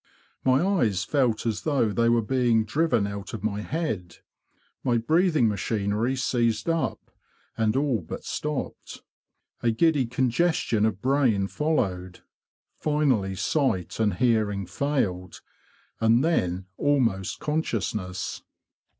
My eyes felt as though they were being driven out of my head. My breathing machinery seized up, and all but stopped. A giddy congestion of brain followed. Finally, sight and hearing failed, and then almost conscious ness.